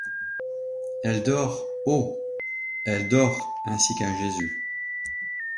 Elle dort, oh! elle dort, ainsi qu’un Jésus...